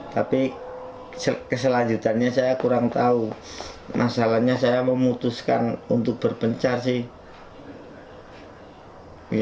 jadi keselanjutannya saya kurang tahu masalahnya saya memutuskan untuk berbencar sih